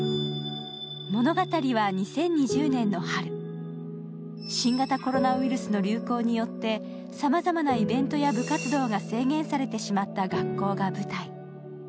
物語は２０２０年の春、新型コロナウイルスの流行によってさまざまなイベントや部活動が制限されてしまった学校が舞台。